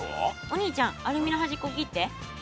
お兄ちゃんアルミのはじっこ切って。